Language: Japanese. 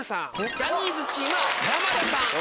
ジャニーズチームは山田さん。